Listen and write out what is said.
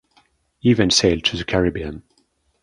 He then sailed to the Caribbean.